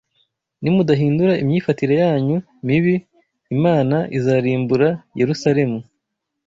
Nimudahindura imyifatire yanyu mibi Imana izarimbura Yerusalemu.